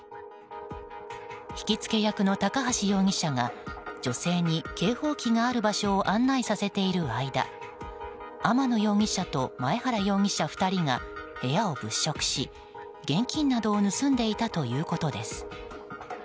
引きつけ役の高橋容疑者が女性に警報器がある場所を案内させている間天野容疑者と前原容疑者２人が部屋を物色し現金などを盗んでいたということです。